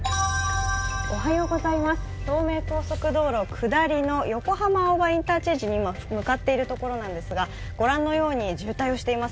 東名高速道路下りの横浜青葉インターチェンジに今、向かっているところなんですが、ご覧のように渋滞しています。